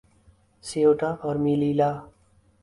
Ceuta اور Melilla